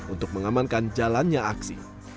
untuk mengamankan jalannya aksi